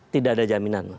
tidak ada jaminan